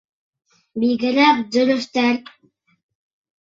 Бигерәк дөрөҫтәр!